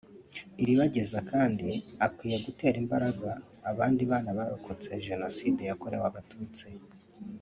Ilibagiza kandi akwiye gutera imbaraga abandi bana barokotse Jenoside yakorewe Abatutsi